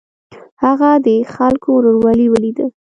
هغه د خلکو ورورولي ولیده.